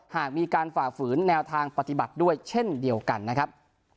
หากมีการฝ่าฝืนแนวทางปฏิบัติด้วยเช่นเดียวกันนะครับ